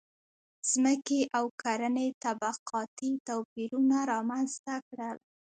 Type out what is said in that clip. • ځمکې او کرنې طبقاتي توپیرونه رامنځته کړل.